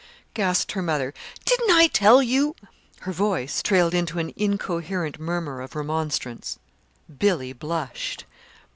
gasped her mother, "didn't I tell you " Her voice trailed into an incoherent murmur of remonstrance. Billy blushed.